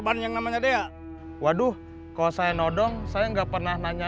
sampai jumpa di video selanjutnya